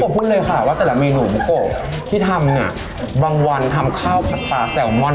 ค่ะขอบคุณเลยค่ะว่าแต่ละเมนูบุโกะที่ทำเนี้ยบางวันทำข้าวกระต่ายแซลมอน